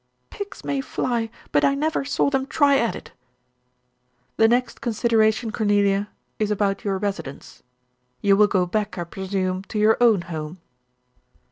"Pigs may fly; but I never saw them try at it." "The next consideration, Cornelia, is about your residence. You will go back, I presume, to your own home."